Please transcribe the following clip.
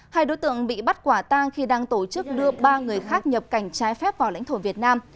hai đối tượng bị bắt quả tang khi đang tổ chức đưa ba người khác nhập cảnh trái phép vào lãnh thổ việt nam